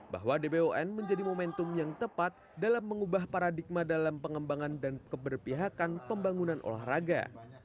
bahwa dbon menjadi momentum yang tepat dalam mengubah paradigma dalam pengembangan dan keberpihakan pembangunan olahraga